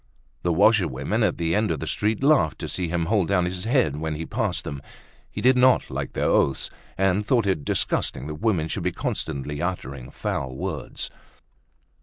The washerwomen at the end of the street laughed to see him hold down his head when he passed them. He did not like their oaths, and thought it disgusting that women should be constantly uttering foul words.